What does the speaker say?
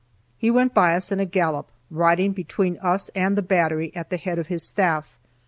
He went by us in a gallop, riding between us and the battery, at the head of his staff.